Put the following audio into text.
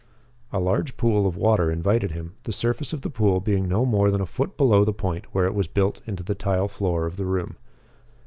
A large pool of water invited him, the surface of the pool being no more than a foot below the point where it was built into the tile floor of the room.